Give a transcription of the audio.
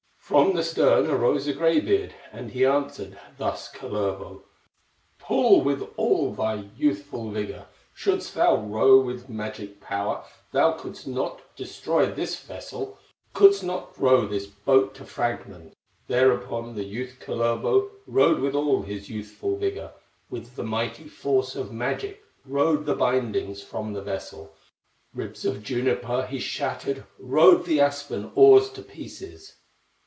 From the stern arose a gray beard, And he answered thus Kullervo: "Pull with all thy youthful vigor; Shouldst thou row with magic power, Thou couldst not destroy this vessel, Couldst not row this boat to fragments." Thereupon the youth, Kullervo, Rowed with all his youthful vigor, With the mighty force of magic, Rowed the bindings from the vessel, Ribs of juniper he shattered, Rowed the aspen oars to pieces.